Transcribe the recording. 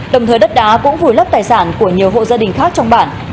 đồng thời đất đá cũng vùi lấp tài sản của nhiều hộ gia đình khác trong bản